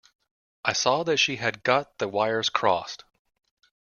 I saw that she had got the wires crossed.